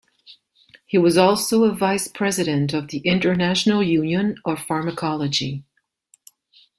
He was also a vice-president of the International Union of Pharmacology.